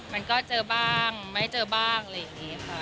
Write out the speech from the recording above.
มันก็เจอบ้างไม่เจอบ้างอะไรอย่างนี้ค่ะ